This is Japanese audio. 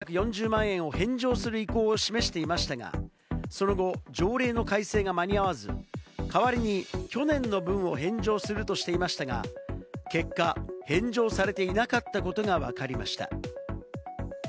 川勝知事はその年の１２月の給与やボーナス、およそ４４０万円を返上する意向を示していましたが、その後、条例の改正が間に合わず、代わりに去年の分を返上するとしていましたが、結果、返上されていなかったことがわかりました。